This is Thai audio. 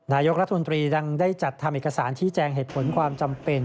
นายกรัฐมนตรียังได้จัดทำเอกสารชี้แจงเหตุผลความจำเป็น